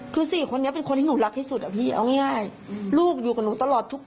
คือสี่คนนี้เป็นคนที่หนูรักที่สุดอะพี่เอาง่ายลูกอยู่กับหนูตลอดทุกวัน